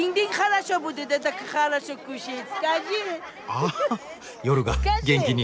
あ夜が元気に。